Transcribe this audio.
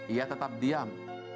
ia tetap diam